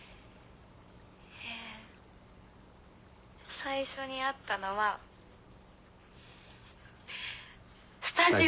最初に会ったのはスタジオ。